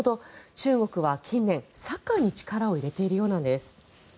中国は近年、サッカーに力を入れているようなんです。